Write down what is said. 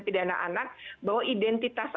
pidana anak bahwa identitas